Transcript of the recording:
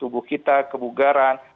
tubuh kita kebugaran